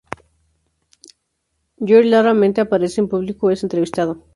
Lloyd raramente aparece en público o es entrevistado.